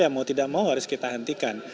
ya mau tidak mau harus kita hentikan